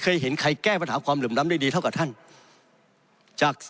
เห็นใครแก้ปัญหาความเหลื่อมล้ำได้ดีเท่ากับท่านจาก